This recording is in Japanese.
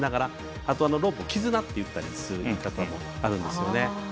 あとは、ロープをきずなって言ったりする方もいますよね。